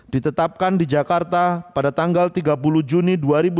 ditetapkan di jakarta pada tanggal tiga puluh juni dua ribu dua puluh